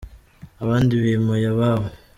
abandi bimuye ababo.